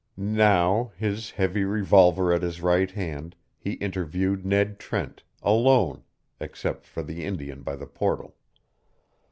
Now, his heavy revolver at his right hand, he interviewed Ned Trent, alone, except for the Indian by the portal.